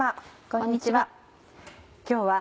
こんにちは。